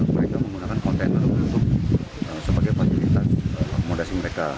mereka menggunakan konten untuk sebagai fasilitas komodasi mereka